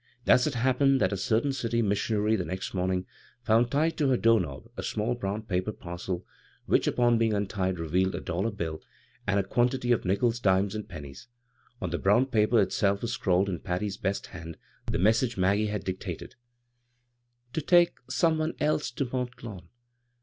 Thus it happened that a certain city mis sionary the next morning found tied to her door knob a small brown paper parcel which, upon being untied, revealed a dollar bill, and 156 b, Google CROSS CURRENTS a quantity of nickels, dimes, and pennies. On the brown paper itself was scrawled in Patty's best hand the message Mag^e had dictated : "To take some one else to Mont Lawn.